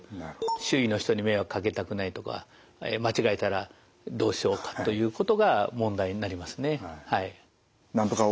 「周囲の人に迷惑かけたくない」とか「間違えたらどうしようか」ということが問題になりますねはい。